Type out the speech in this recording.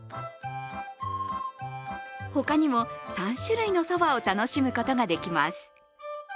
他にも３種類のそばを楽しむことができます。